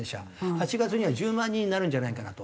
８月には１０万人になるんじゃないかなと。